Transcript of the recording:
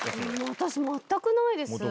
私全くないです。